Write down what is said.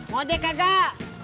mau dek kagak